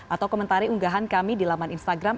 atau komentari unggahan kami di laman instagram